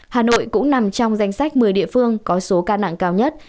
hà nội cũng nằm trong danh sách một mươi địa phương có số ca nặng cao nhất